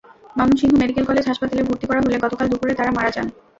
Mymensingh medical college হাসপাতালে ভর্তি করা হলে গতকাল দুপুরে তাঁরা মারা যান।